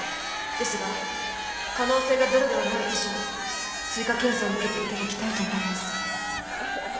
ですが可能性がゼロではない以上追加検査を受けていただきたいと思います。